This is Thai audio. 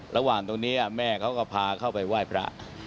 ระหว่างตรงนี้แม่เขาก็พาเข้าไปไหว้พระ